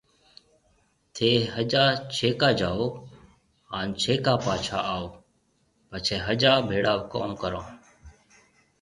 ٿَي سجا ڇيڪا جاو هانَ ڇيڪا پاچها آو پڇيَ سجا ڀيڙا ڪوم ڪرون۔